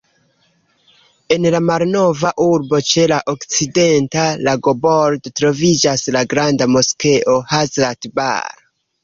En la malnova urbo, ĉe la okcidenta lagobordo, troviĝas la granda moskeo Hazrat-Bal.